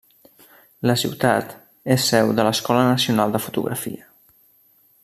La ciutat és seu de l'escola nacional de fotografia.